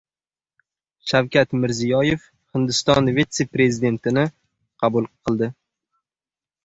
Shavkat Mirziyoyev Hindiston vitse-prezidentini qabul qildi